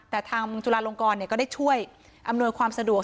แต่ทางจุฬาลงกรก็ได้ช่วยอำนวยความสะดวก